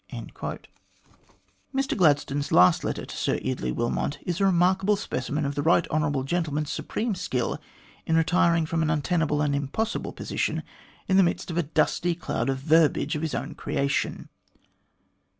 Mr Gladstone's last letter to Sir Eardley Wilmot is a remarkable specimen of the right honourable gentleman's supreme skill in retiring from an untenable and impossible position in the midst of a dusty cloud of verbiage of his own creation.